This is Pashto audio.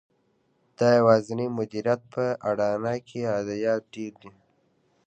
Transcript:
د یوازېني مدیریت په اډانه کې عایدات ډېر دي